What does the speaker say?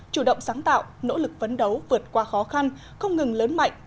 chủ động sáng tạo nỗ lực vấn đấu vượt qua khó khăn không ngừng lớn mạnh